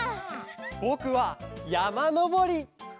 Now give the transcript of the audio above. ぼくはやまのぼり！